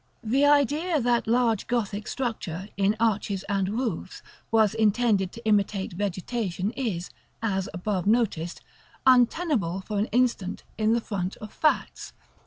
The idea that large Gothic structure, in arches and roofs, was intended to imitate vegetation is, as above noticed, untenable for an instant in the front of facts.